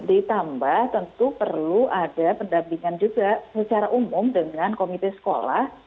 ditambah tentu perlu ada pendampingan juga secara umum dengan komite sekolah